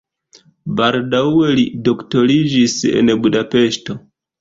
Baldaŭe li doktoriĝis en Budapeŝto.